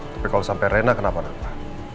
tapi kalau sampai reina kenapa napa